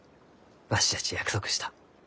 わしじゃち約束した。